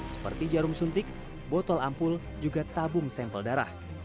seperti jarum suntik botol ampul juga tabung sampel darah